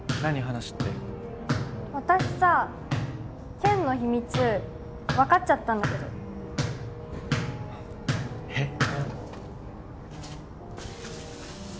話って私さ健の秘密分かっちゃったんだけどえっ？